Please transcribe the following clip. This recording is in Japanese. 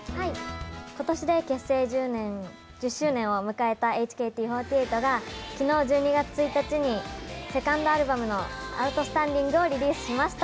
今年で結成１０周年を迎えたＨＫＴ４８が昨日、１２月１日にセカンドアルバムの「アウトスタンディング」をリリースしました。